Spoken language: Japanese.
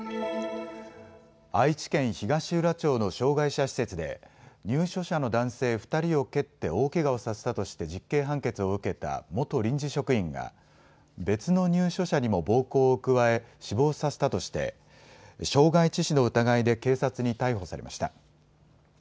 愛知県東浦町の障害者施設で入所者の男性２人を蹴って大けがをさせたとして実刑判決を受けた元臨時職員が別の入所者にも暴行を加え死亡させたとして傷害致死の疑いで警察に逮捕されました。